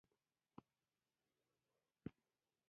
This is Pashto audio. غوړې د غړو د فعالیت لپاره هم ګټورې دي.